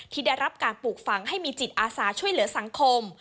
ที่ได้รับการปลูกฝังให้มีจิตอาสาช่วยเหลือสังคม